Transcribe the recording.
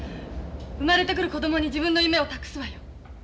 生まれてくる子供に自分の夢を託すわよ。